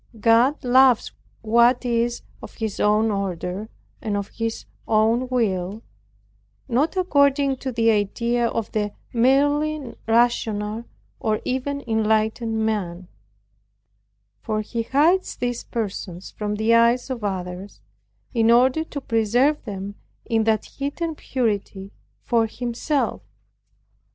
God loves what is of His own order, and of His own will, not according to the idea of the merely rational or even enlightened man; for He hides these persons from the eyes of others, in order to preserve them in that hidden purity for Himself.